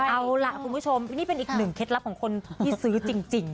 เอาล่ะคุณผู้ชมนี่เป็นอีกหนึ่งเคล็ดลับของคนที่ซื้อจริง